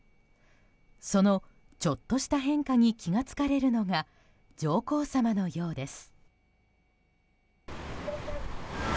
そのちょっとした変化に気が付かれるのが上皇さまのようです。